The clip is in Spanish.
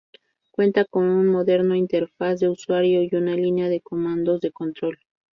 Cuenta con un moderno interfaz de usuario y una línea de comandos de control.